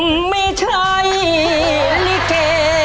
ไม่ใช่ลิเก